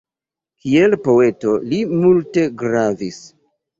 Kiel poeto li multe gravis.